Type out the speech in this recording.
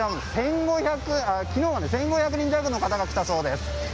昨日まで１５００人弱の方が来たそうです。